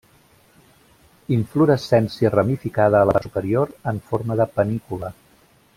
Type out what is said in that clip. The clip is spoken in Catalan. Inflorescència ramificada a la part superior, en forma de panícula.